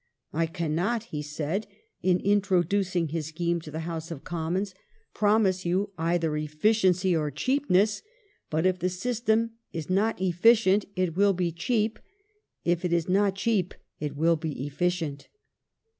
" I cannot," he said in introducing his scheme to the House of Commons, " promise you either efficiency oi cheapness ; but if the system is not efficient it will be cheap ; if it is not cheap it will be efficient."